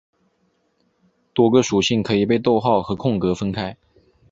多个属性可以被逗号和空格分开。